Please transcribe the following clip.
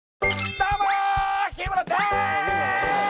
どうも日村です！